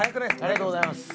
ありがとうございます。